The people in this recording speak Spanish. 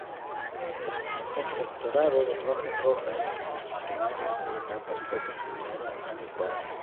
El rectorado de Rojas Rojas, en sus primeras etapas fue considerado adecuado.